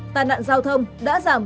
tàn nạn giao thông đã giảm